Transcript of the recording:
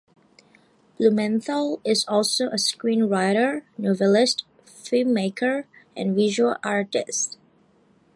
Blumenthal is also a screenwriter, novelist, filmmaker, and visual artist.